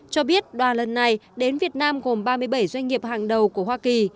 cho biết đoàn lần này đến việt nam gồm ba mươi bảy doanh nghiệp hàng đầu của hoa kỳ